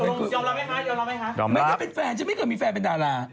นี่ไม่ใช่ว่าเป็นแฟนฉันไม่เคยมีแฟนเป็นดารา